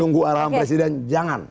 nunggu arahan presiden jangan